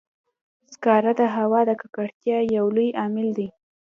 سکاره د هوا د ککړتیا یو لوی عامل دی.